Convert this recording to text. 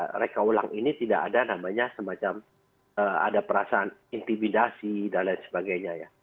mereka ulang ini tidak ada namanya semacam ada perasaan intimidasi dan lain sebagainya ya